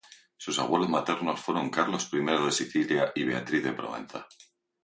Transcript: Sus abuelos maternos fueron Carlos I de Sicilia y Beatriz de Provenza.